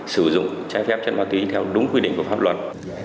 sử dụng trái phép chất ma túy theo đúng quy định của pháp luật